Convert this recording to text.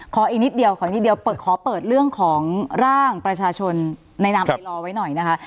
อีกนิดเดียวขอนิดเดียวขอเปิดเรื่องของร่างประชาชนในนามไปรอไว้หน่อยนะคะ